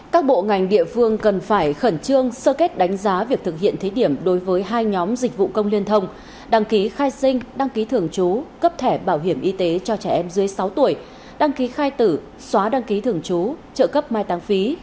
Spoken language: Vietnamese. các bộ ngành địa phương cần phải khẩn trương sơ kết đánh giá việc thực hiện thí điểm đối với hai nhóm dịch vụ công liên thông đăng ký khai sinh đăng ký thường trú cấp thẻ bảo hiểm y tế cho trẻ em dưới sáu tuổi đăng ký khai tử xóa đăng ký thường trú trợ cấp mai tăng phí